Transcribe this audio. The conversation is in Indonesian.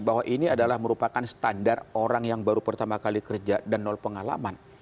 bahwa ini adalah merupakan standar orang yang baru pertama kali kerja dan nol pengalaman